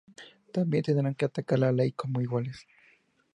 también tendrán que acatar la ley como iguales